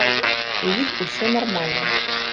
У іх усё нармальна.